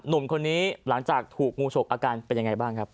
หนุ่มคนนี้หลังจากถูกงูฉกอาการเป็นยังไงบ้างครับ